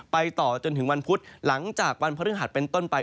ไปต่อจนถึงวันพุธหลังจากวันพฤหัสเป็นต้นไป